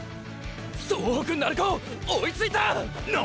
総北鳴子追いついたァ！！